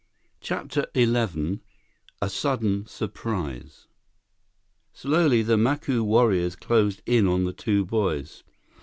CHAPTER XI A Sudden Surprise Slowly, the Macu warriors closed in on the two boys.